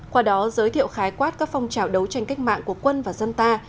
qua đó giới thiệu khái quát các phong trào đấu tranh cách mạng của quân và dân ta